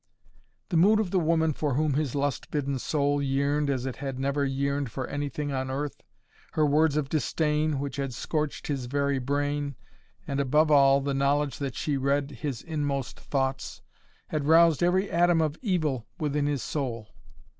The mood of the woman for whom his lust bitten soul yearned as it had never yearned for anything on earth, her words of disdain, which had scorched his very brain, and, above all, the knowledge that she read his inmost thoughts, had roused every atom of evil within his soul.